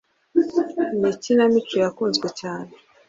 Ni ikinamico yakunzwe cyane